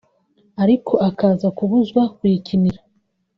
ariko akaza kubuzwa kuyikinira